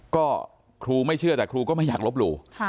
ก็ครูไม่เชื่อแต่ครูก็ไม่อยากลบหลู่